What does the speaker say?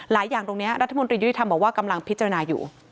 อย่างตรงนี้รัฐมนตรียุติธรรมบอกว่ากำลังพิจารณาอยู่